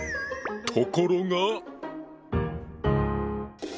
ところが。